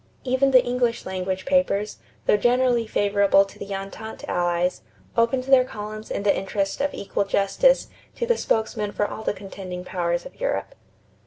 Even the English language papers, though generally favorable to the Entente Allies, opened their columns in the interest of equal justice to the spokesmen for all the contending powers of Europe.